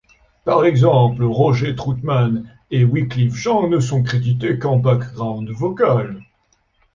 Par exemple, Roger Troutman et Wyclef Jean ne sont crédités qu'en background vocal.